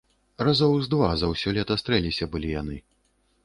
Разоў з два за ўсё лета стрэліся былі яны.